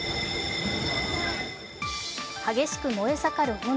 激しく燃え盛る炎。